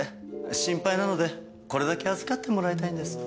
心配なのでこれだけ預かってもらいたいんです。